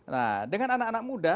nah dengan anak anak muda